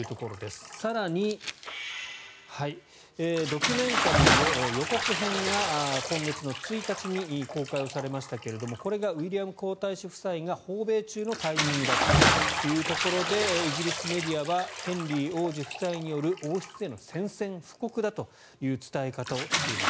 更にドキュメンタリーの予告編が今月の１日に公開をされましたけれどもこれがウィリアム皇太子夫妻が訪米中のタイミングだったというところでイギリスメディアはヘンリー王子夫妻による王室への宣戦布告だという伝え方をしています。